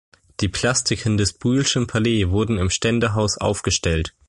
Die Plastiken des Brühlschen Palais wurden im Ständehaus aufgestellt.